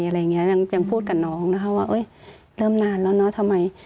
อะไรอย่างนี้ยังพูดกับน้องนะคะว่าเริ่มนานแล้วเนอะทำไม